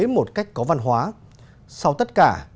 một cách có văn hóa sau tất cả